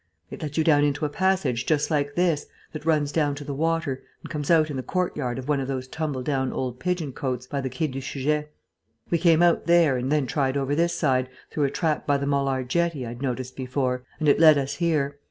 It lets you down into a passage just like this, that runs down to the water and comes out in the courtyard of one of those tumble down old pigeon cotes by the Quai du Seujet. We came out there, and then tried over this side, through a trap by the Molard jetty I'd noticed before, and it led us here.